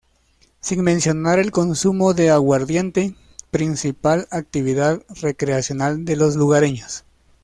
Sin mencionar el consumo de aguardiente, principal actividad recreacional de los lugareños.